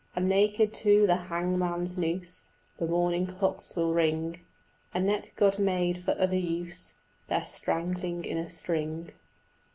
And naked to the hangman's noose The morning clocks will ring A neck God made for other use Than strangling in a string.